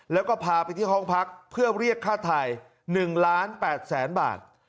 แล้วก็พาไปที่ห้องพักเพื่อเรียกค่าไทย๑ล้าน๘แสนบาท